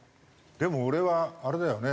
でも俺はあれだよね？